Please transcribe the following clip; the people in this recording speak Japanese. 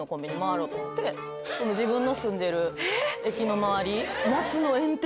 自分の住んでる駅の周り。